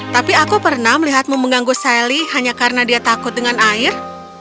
tapi aku pernah melihatmu mengganggu sally hanya karena dia takut dengan air